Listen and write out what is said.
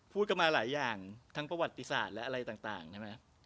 พูดกันมาหลายอย่างทั้งประวัติศาสตร์และอะไรต่างใช่ไหมครับ